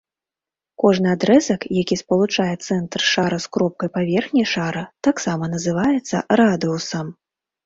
Кожны адрэзак, які спалучае цэнтр шара з кропкай паверхні шара, таксама называецца радыусам.